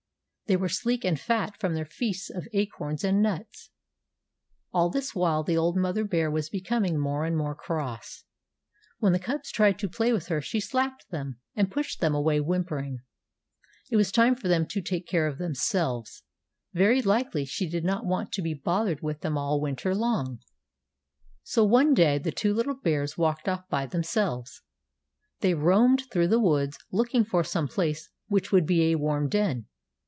They were sleek and fat from their feasts of acorns and nuts. All this while the old mother bear was becoming more and more cross. When the cubs tried to play with her she slapped them, and pushed them away whimpering. It was time for them to take care of themselves. Very likely she did not want to be bothered with them all winter long. So one day the two little bears walked off by themselves. They roamed through the woods, looking for some place which would be a warm den.